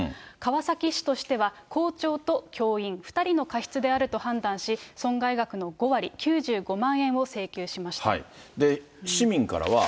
川崎市としては、校長と教員、２人の過失であると判断し、損害額の５割、９５万円市民からは。